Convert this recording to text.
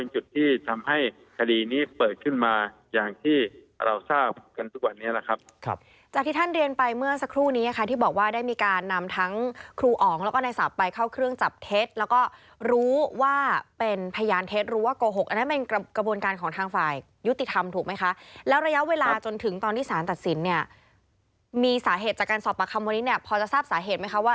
จากที่ท่านเรียนไปเมื่อสักครู่นี้ค่ะที่บอกว่าได้มีการนำทั้งครูอ๋องแล้วก็ในศัพท์ไปเข้าเครื่องจับเท็จแล้วก็รู้ว่าเป็นพยานเท็จรู้ว่ากโกหกอันนั้นเป็นกระบวนการของทางฝ่ายยุติธรรมถูกไหมคะแล้วระยะเวลาจนถึงตอนที่สารตัดสินเนี่ยมีสาเหตุจากการสอบประคำวันนี้เนี่ยพอจะทราบสาเหตุไหมคะว่